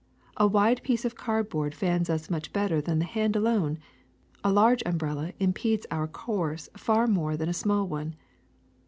A wide piece of cardboard fans us much better than the hand alone ; a large umbrella impedes our course far more than a small one.